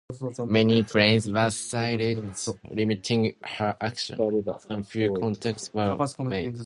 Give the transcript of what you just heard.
Many planes were sighted, limiting her action, and few contacts were made.